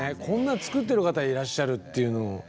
こんな作ってる方いらっしゃるっていうのも。